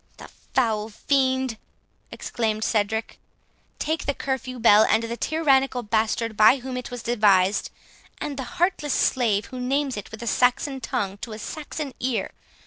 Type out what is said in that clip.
"The foul fiend," exclaimed Cedric, "take the curfew bell, and the tyrannical bastard by whom it was devised, and the heartless slave who names it with a Saxon tongue to a Saxon ear!